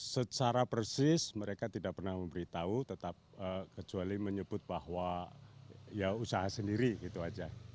secara persis mereka tidak pernah memberitahu tetap kecuali menyebut bahwa ya usaha sendiri gitu aja